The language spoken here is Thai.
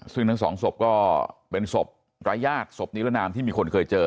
ซึ่งทั้งสองศพก็เป็นศพรายญาติศพนิรนามที่มีคนเคยเจอ